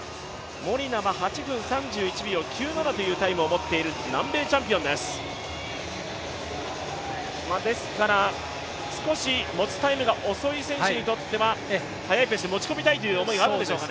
モリナは８分３１秒９７というタイムを持っている南米チャンピオンですですから、少し持ちタイムが遅い選手にとっては、速いペースに持ち込みたいという思いがあるんでしょうか。